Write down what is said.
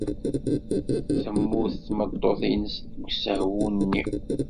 Temmut tmeṭṭut-nnes deg usehwu-nni.